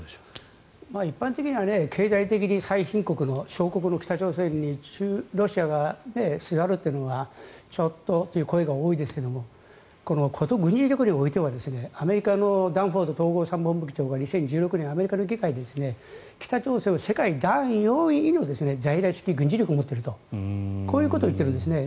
一般的には経済的に最貧国の小国の北朝鮮にロシアがすがるというのはちょっとっていう声が多いですがこと、軍事力においてはアメリカの統合参謀部長がアメリカの議会で北朝鮮を世界第４位の軍事力を持っているとこういうことを言ってるんですよね。